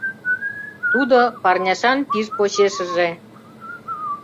Тудо парняшан пиж почешыже